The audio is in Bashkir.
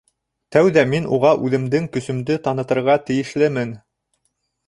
Тәүҙә мин уға үҙемдең көсөмдө танытырға тейешлемен.